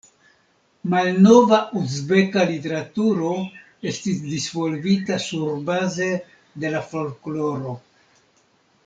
Malnova uzbeka literaturo estis disvolvita surbaze de la folkloro.